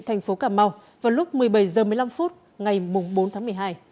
thành phố cà mau vào lúc một mươi bảy h một mươi năm phút ngày bốn tháng một mươi hai